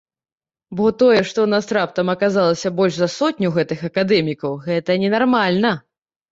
Бо тое, што ў нас раптам аказалася больш за сотню гэтых акадэмікаў, гэта ненармальна.